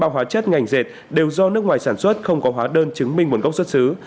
hai trăm bốn mươi ba hóa chất ngành dệt đều do nước ngoài sản xuất không có hóa đơn chứng minh một gốc xuất xứ